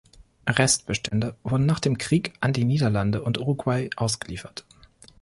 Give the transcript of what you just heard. Restbestände wurden nach dem Krieg an die Niederlande und Uruguay ausgeliefert.